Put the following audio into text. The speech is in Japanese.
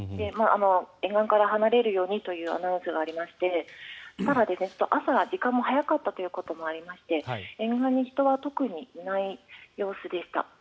沿岸から離れるようにというアナウンスがありましてただ、朝、時間も早かったということもありまして沿岸に人は特にいない様子でした。